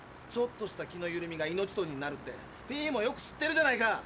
ちょっとした気のゆるみが命取りになるってフィーもよく知ってるじゃないか。